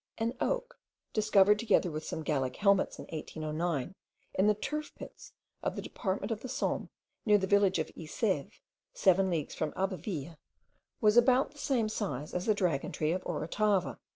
An oak, discovered together with some Gallic helmets in 1809, in the turf pits of the department of the Somme, near the village of Yseux, seven leagues from Abbeville, was about the same size as the dragon tree of Orotava.